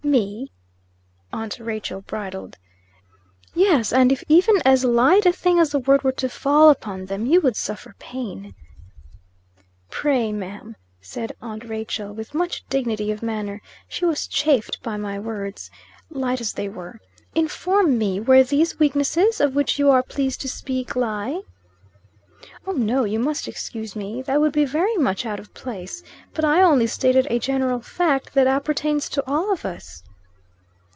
"Me!" aunt Rachel bridled. "Yes; and if even as light a thing as a word were to fall upon them, you would suffer pain." "Pray, ma'am," said, aunt Rachel, with much dignity of manner; she was chafed by my words, light as they were; "inform me where these weaknesses, of which you are pleased to speak, lie?" "Oh, no; you must excuse me. That would be very much out of place. But I only stated a general fact that appertains to all of us."